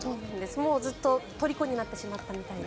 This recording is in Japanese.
もうずっととりこになってしまったみたいで。